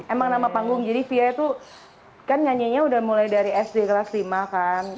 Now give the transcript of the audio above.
emang nama panggung jadi fia itu kan nyanyinya udah mulai dari sd kelas lima kan